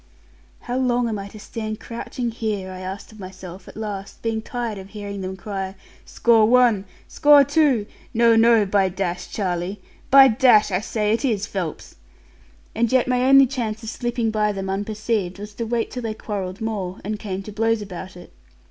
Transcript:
'How long am I to stand crouching here?' I asked of myself, at last, being tired of hearing them cry, 'score one,' 'score two,' 'No, by , Charlie,' 'By , I say it is, Phelps.' And yet my only chance of slipping by them unperceived was to wait till they quarrelled more, and came to blows about it.